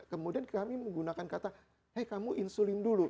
kemudian kami menggunakan kata hei kamu insulin dulu